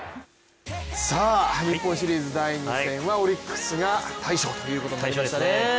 日本シリーズ第２戦はオリンピックが大勝ということになりましたね。